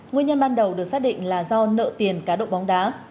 nguyên nhân ban đầu được xác định là do nợ tiền cá độ bóng đá